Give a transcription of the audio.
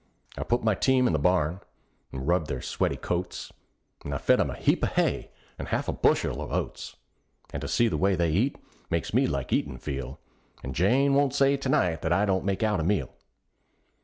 I've put my team in the barn, and rubbed their sweaty coats; I've fed 'em a heap of hay and half a bushel of oats; And to see the way they eat makes me like eatin' feel, And Jane won't say to night that I don't make out a meal.